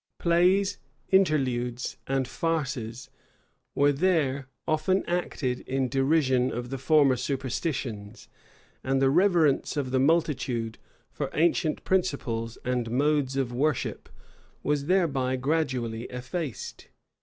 Plays, interludes, and farces were there often acted in derision of the former superstitions; and the reverence of the multitude for ancient principles and modes of worship was thereby gradually effaced.